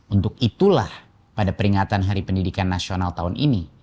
untuk itulah pada peringatan hari pendidikan nasional tahun ini